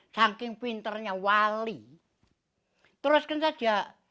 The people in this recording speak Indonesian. saking pinternya wali teruskan saja